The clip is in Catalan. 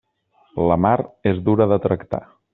La mar és dura de tractar.